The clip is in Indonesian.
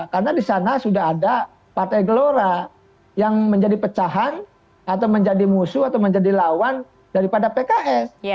karena di sana sudah ada partai gelora yang menjadi pecahan atau menjadi musuh atau menjadi lawan daripada pks